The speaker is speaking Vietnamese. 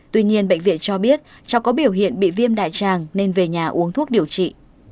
tuy nhiên bệnh viện cho biết cháu có biểu hiện bị viêm đại tràng nên về nhà uống thuốc điều trị